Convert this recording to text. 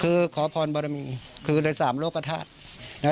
คือขอพรบรมีคือในสามโลกธาตุ